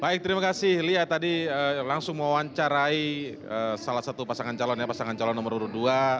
baik terima kasih lia tadi langsung mewawancarai salah satu pasangan calon ya pasangan calon nomor urut dua